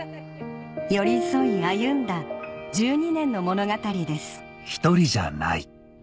寄り添い歩んだ１２年の物語です